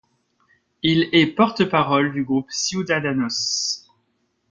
Il est porte-parole du groupe Ciudadanos.